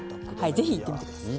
是非行ってみてください。